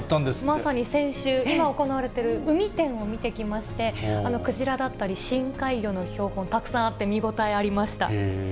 まさに先週、今、行われている海展を見てきまして、クジラだったり、深海魚の標本、たくさんあって見応えありました。